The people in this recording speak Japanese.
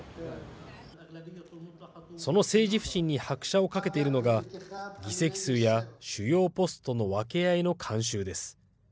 その政治不信に拍車をかけているのが議席数や主要ポストの分け合いの慣習です。